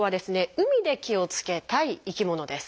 海で気をつけたい生き物です。